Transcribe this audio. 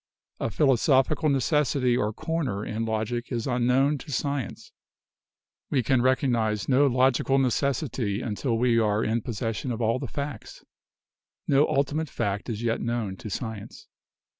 A philosophical necessity or corner in logic is unknown to science. We can recog 130 BIOLOGY nise no logical necessity until we are in possession of all the facts. No ultimate fact is yet known to science.